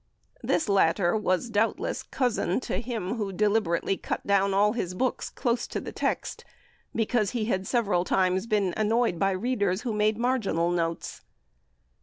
This latter was, doubtless, cousin to him who deliberately cut down all his books close to the text, because he had been several times annoyed by readers who made marginal notes.